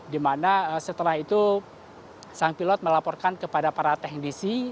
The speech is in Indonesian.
dimana setelah itu sang pilot melaporkan kepada para teknisi